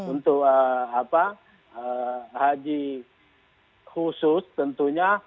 untuk haji khusus tentunya